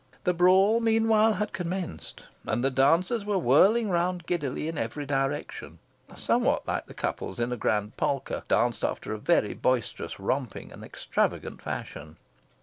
The brawl, meanwhile, had commenced, and the dancers were whirling round giddily in every direction, somewhat like the couples in a grand polka, danced after a very boisterous, romping, and extravagant fashion.